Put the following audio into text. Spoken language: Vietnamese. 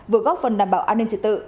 vừa góp phần đảm bảo an ninh trị tự